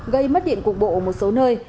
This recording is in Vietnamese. gây mất điện cục bộ ở một số nơi